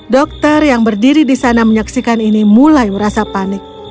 dokter yang berdiri di sana menyaksikan ini mulai merasa panik